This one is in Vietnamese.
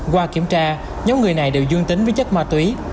qua kiểm tra nhóm người này đều dương tính với chất ma túy